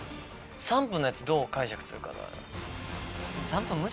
３分のやつどう解釈するかだね。